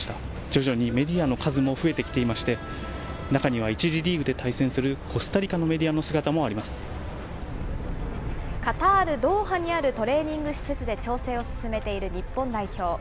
徐々にメディアの数も増えてきていまして、中には１次リーグで対戦するコスタリカのメディアの姿カタール・ドーハにあるトレーニング施設で調整を進めている日本代表。